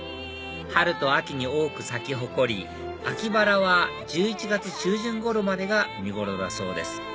春と秋に多く咲き誇り秋バラは１１月中旬頃までが見頃だそうです